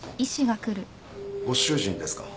ご主人ですか？